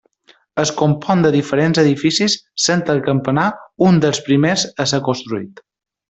Es compon de diferents edificis, sent el campanar un dels primers a ser construït.